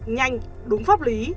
nhanh đúng pháp lý